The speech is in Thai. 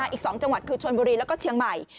อีก๒จังหวัดคือชนบุรีแล้วก็เชียงใหม่